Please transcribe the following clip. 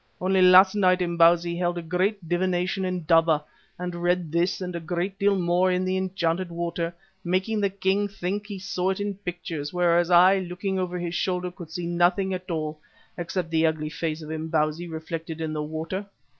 Only last night Imbozwi held a great divination indaba, and read this and a great deal more in the enchanted water, making the king think he saw it in pictures, whereas I, looking over his shoulder, could see nothing at all, except the ugly face of Imbozwi reflected in the water.